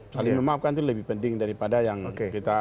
saling memaafkan itu lebih penting daripada yang kita